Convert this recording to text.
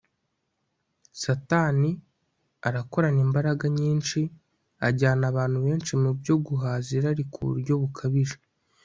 satani arakorana imbaraga nyinshi ajyana abantu benshi mu byo guhaza irari ku buryo bukabije